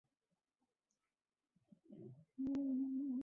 وزیر توانائی اویس لغاری سے ورلڈ بینک کے وفد کی ملاقات